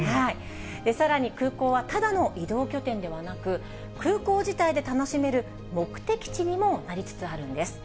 さらに空港は、ただの移動拠点ではなく、空港自体で楽しめる目的地にもなりつつあるんです。